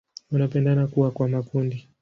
Wanapenda kuwa kwa makundi.